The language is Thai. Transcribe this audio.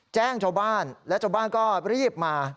แจ้งชาวบ้านและชาวบ้านก็รีบมา